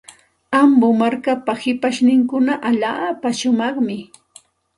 Ambo markapa shipashninkuna allaapa shumaqmi.